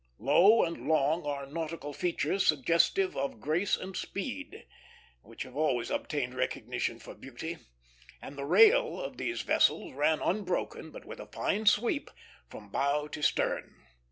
Low and long are nautical features, suggestive of grace and speed, which have always obtained recognition for beauty; and the rail of these vessels ran unbroken, but with a fine sweep, from bow to stern.